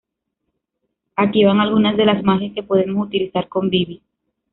Aquí van algunas de las magias que podemos utilizar con Vivi.